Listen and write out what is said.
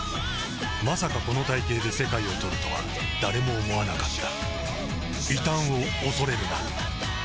まさかこの体形で世界を取るとは誰も思わなかった